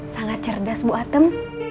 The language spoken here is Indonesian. sangat cerdas bu atem